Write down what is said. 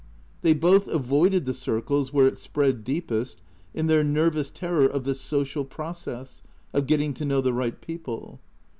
They both avoided the circles where it spread deepest, in their nervous ter ror of the social process, of " getting to know the right people."